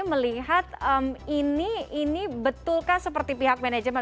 melihat ini betulkah seperti pihak manajemen